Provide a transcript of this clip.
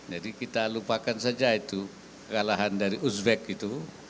jadi kita lupakan saja itu kekalahan dari uzbek itu